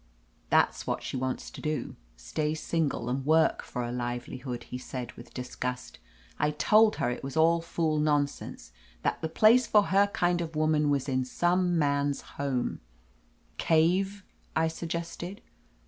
"That's what she wants to do — stay single and work for a livelihood," he said with dis gust. "I told her it was all fool nonsense ; that 332 "] OF LETITIA CARBERRY the place for her kind of woman was in some man's home —'* "Cave/' I suggested.